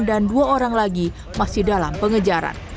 dan dua orang lagi masih dalam pengejaran